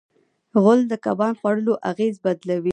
غول د کبان خوړلو اغېز بدلوي.